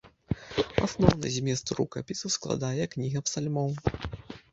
Асноўны змест рукапісу складае кніга псалмоў.